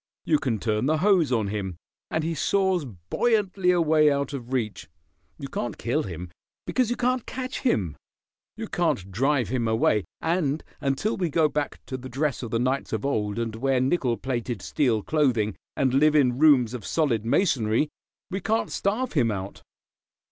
You can turn the hose on him, and he soars buoyantly away out of reach. You can't kill him, because you can't catch him. You can't drive him away, and until we go back to the dress of the knights of old and wear nickel plated steel clothing, and live in rooms of solid masonry, we can't starve him out.